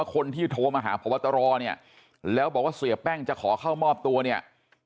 คนที่โทรมาหาพบตรเนี่ยแล้วบอกว่าเสียแป้งจะขอเข้ามอบตัวเนี่ย